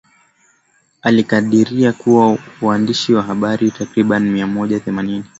alikadiria kuwa waandishi wa habari takribani mia moja themanini